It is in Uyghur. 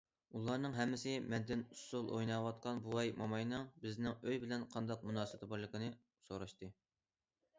ئۇلارنىڭ ھەممىسى مەندىن ئۇسسۇل ئويناۋاتقان بوۋاي- موماينىڭ بىزنىڭ ئۆي بىلەن قانداق مۇناسىۋىتى بارلىقىنى سوراشتى.